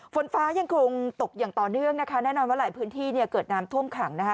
ฝนฟ้ายังคงตกอย่างต่อเนื่องนะคะแน่นอนว่าหลายพื้นที่เนี่ยเกิดน้ำท่วมขังนะคะ